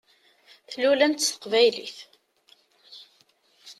Tlulem-d s teqbaylit.